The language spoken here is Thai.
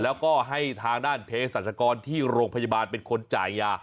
แล้วก็ให้ทางด้านเพศรัชกรที่โรงพยาบาลเป็นคนจ่ายยา